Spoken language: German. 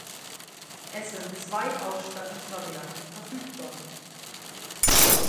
Es sind zwei Ausstattungsvarianten verfügbar.